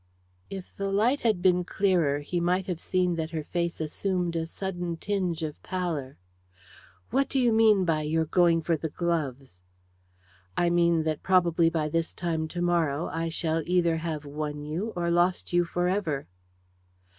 If the light had been clearer he might have seen that her face assumed a sudden tinge of pallor. "What do you mean by you're going for the gloves?" "I mean that probably by this time tomorrow I shall have either won you or lost you for ever."